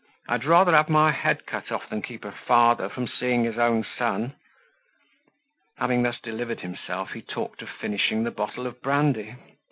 I'd rather have my head cut off than keep a father from seeing his own son." Having thus delivered himself, he talked of finishing the bottle of brandy.